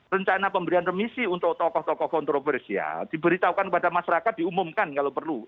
rencana pemberian remisi untuk tokoh tokoh kontroversial diberitahukan kepada masyarakat diumumkan kalau perlu